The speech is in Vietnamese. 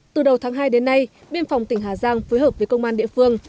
từ đầu tháng hai đến nay biên phòng tỉnh hà giang phối hợp với công an địa phương